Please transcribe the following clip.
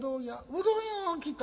うどん屋が来た。